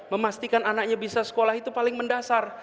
memastikan anaknya bisa sekolah itu paling mendasar